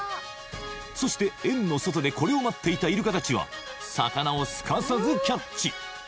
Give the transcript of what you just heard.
そして円の外でこれを待っていたイルカたちは魚をすかさずキャッチ！